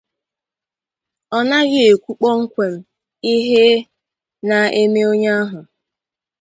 Ọ naghị ekwu kpọmkwem ihe na-eme onye ahụ.